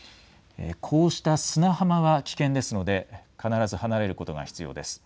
こうした砂浜は危険ですので必ず離れることが必要です。